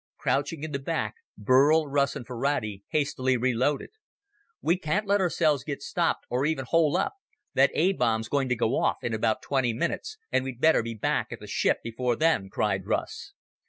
Crouching in the back, Burl, Russ, and Ferrati hastily reloaded. "We can't let ourselves get stopped, or even hole up. That A bomb's going to go off in about twenty minutes, and we'd better be back at the ship before then," cried Russ.